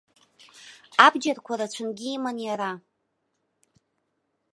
Абџьарқәа рацәангьы иман иара.